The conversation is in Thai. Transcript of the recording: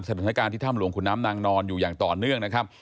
สถานการณ์ที่ถ้ำหลวงขุนน้ำนางนอนอยู่อย่างต่อเนื่องนะครับ